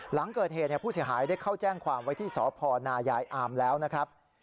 หลังเกิดเหตุผู้เสียหายได้เข้าแจ้งความไว้ที่สพนายายอามแล้วนะครับ